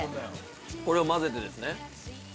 これを混ぜてですね。